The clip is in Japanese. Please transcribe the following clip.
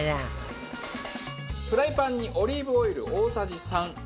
フライパンにオリーブオイル大さじ３。